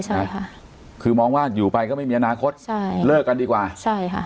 ใช่ค่ะคือมองว่าอยู่ไปก็ไม่มีอนาคตใช่เลิกกันดีกว่าใช่ค่ะ